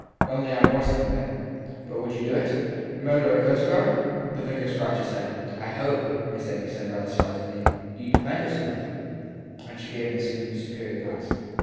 Only I m worse than they ! But would you do it ? Murder a coastguard ? The vicar scratched his head. I hope, said Miss Amy rather surprisingly, you d defend yourself. And she gave Miss Susan a superior glance.